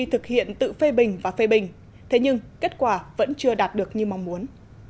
thực hiện tự phê bình và phê bình thế nhưng kết quả vẫn chưa đạt được như mong muốn